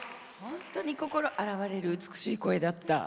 本当に心洗われる美しい声だった。